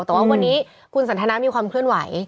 แต่ว่าวันนี้คุณสันทนามีความเคลื่อนไหว